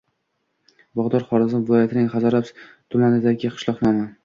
Bog‘dor – Xorazm viloyatining Hazorasp tumanidagi qishloq nomi.